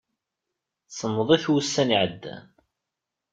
Semmḍit wussan iɛeddan.